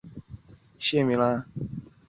梁中庸初仕北凉段业。